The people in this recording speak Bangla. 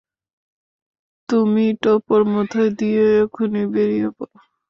তুমি টোপর মাথায় দিয়ে এখনই বেরিয়ে পড়ো।